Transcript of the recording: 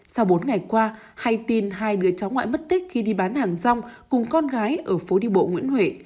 sau bốn ngày qua hay tin hai đứa cháu ngoại mất tích khi đi bán hàng rong cùng con gái ở phố đi bộ nguyễn huệ